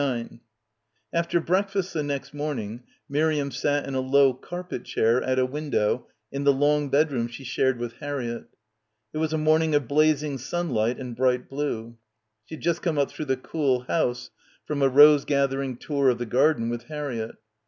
9 After breakfast the next morning Miriam sat in a low carpet chair at a window in the long bedroom she shared with Harriett. It was a morning of blazing sunlight and bright blue. She had just come up through the cool house from a rose gathering tour of the garden with Harriett.